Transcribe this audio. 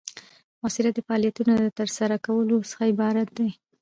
مؤثریت د فعالیتونو د ترسره کولو څخه عبارت دی.